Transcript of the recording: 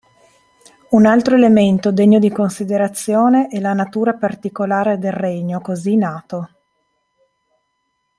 Un altro elemento degno di considerazione è la natura particolare del regno così nato.